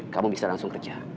kamu bisa langsung kerja